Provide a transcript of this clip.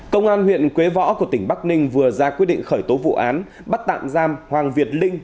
công an huyện quế võ của tỉnh bắc ninh vừa ra quyết định khởi tố vụ án bắt tạm giam hoàng việt linh